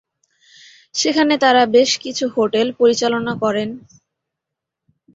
সেখানে তারা বেশকিছু হোটেল পরিচালনা করেন।